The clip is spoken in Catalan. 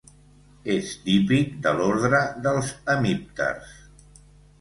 És típic de l’ordre dels hemípters.